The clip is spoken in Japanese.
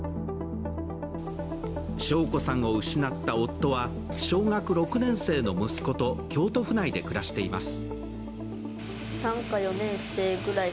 晶子さんを失った夫は小学６年生の息子と京都府内で暮らしています。